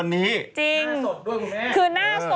ไม่มีเครื่องสำอางแต่ว่าสวยเป้ดอยู่นะ